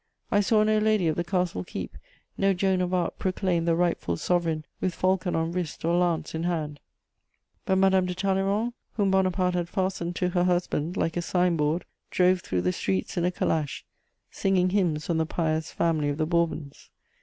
I saw no lady of the castle keep, no Joan of Arc proclaim the rightful sovereign with falcon on wrist or lance in hand; but Madame de Talleyrand, whom Bonaparte had fastened to her husband like a sign board, drove through the streets in a calash, singing hymns on the pious Family of the Bourbons.